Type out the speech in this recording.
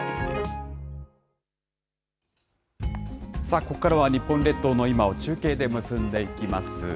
ここからは日本列島の今を、中継で結んでいきます。